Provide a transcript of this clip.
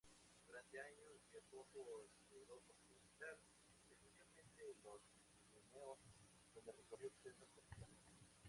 Durante estos años viajó por Europa Occidental, especialmente los Pirineos, donde recogió extensas colecciones.